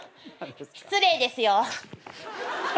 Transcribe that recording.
失礼ですよ。